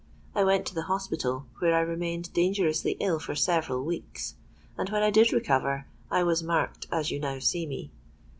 I went to the hospital, where I remained dangerously ill for several weeks; and, when I did recover, I was marked as you now see me.